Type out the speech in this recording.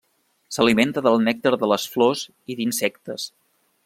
S'alimenta del nèctar de les flors i d'insectes.